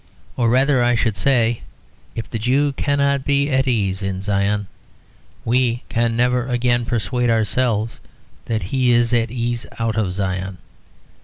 Or rather, I should say, if the Jew cannot be at ease in Zion we can never again persuade ourselves that he is at ease out of Zion.